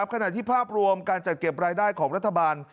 ขณะที่ภาพรวมการจัดเก็บรายได้ของรัฐบาล